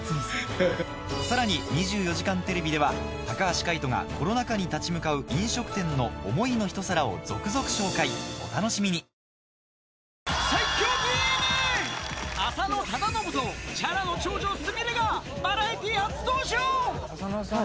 さらに『２４時間テレビ』では橋海人がコロナ禍に立ち向かう飲食店の「想いの一皿」を続々紹介お楽しみにお疲れさまです。